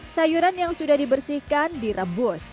sayuran yang sudah dibersihkan direbus